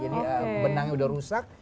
jadi benangnya udah rusak